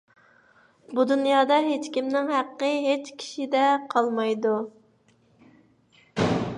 بۇ دۇنيادا ھېچكىمنىڭ ھەققى ھېچكىشىدە قالمايدۇ.